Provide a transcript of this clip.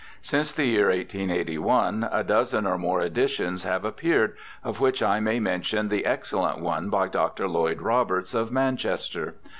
Since the year 1881 a dozen or more editions have appeared, of which I may mention the excellent one by Dr. Lloyd Roberts, of Manchester.